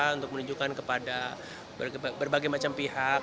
untuk menunjukkan kepada berbagai macam pihak